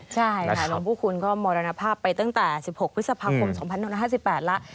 ใช่ค่ะหลวงผู้คุณก็มรณภาพไปตั้งแต่๑๖พฤษภาคม๒๕๕๘แล้ว